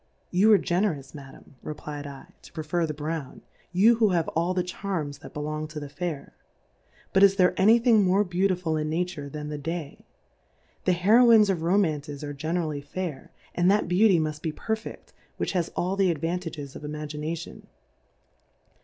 You are Generous Ma dam, reflyed 7, to prefer the Brown. You who have all the Charms that be long to the Fair : But, is there any Thing more Beautiful in Nature tiian the Day ? The Heroines of Romances are generally fair, and that Beauty mufl be perfefl:, which has all the Advanta ges of Imagination.